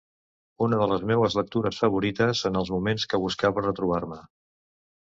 Una de les meues lectures favorites en els moments que buscava retrobar-me.